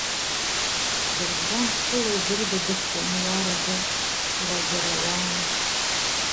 Бзарбзан-хыла идырдыдыхуан, Уарада, радара, уаа!